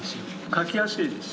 描きやすいです。